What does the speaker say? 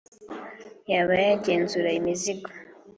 yaba kugenzura imizigo